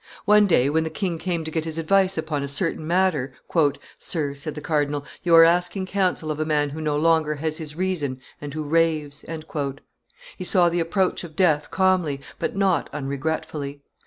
One day, when the king came to get his advice upon a certain matter, "Sir," said the cardinal, "you are asking counsel of a man who no longer has his reason and who raves." He saw the approach of death calmly, but not unregretfully.